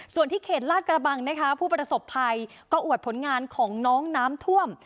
ส่วนที่เขตลาดกระบังนะคะผู้ประสบภัยก็อวดผลงานของน้องน้ำท่วม